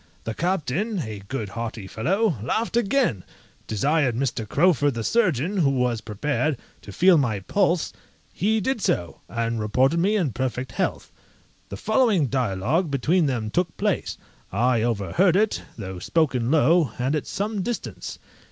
The captain (a good, hearty fellow) laughed again, desired Mr. Crowford the surgeon, who was prepared, to feel my pulse; he did so, and reported me in perfect health. The following dialogue between them took place; I overheard it, though spoken low, and at some distance.